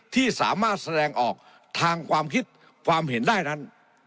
ที่สามารถแสดงออกทางความคิดความเห็นได้นั้น